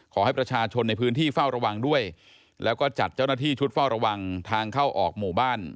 ขอให้ประชาชนในพื้นที่เฝ้าระวังด้วยแล้วก็จัดเจ้าหน้าที่ชุดเฝ้าระวังทางเข้าออกหมู่บ้าน